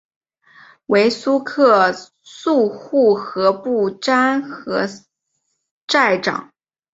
为苏克素护河部沾河寨长。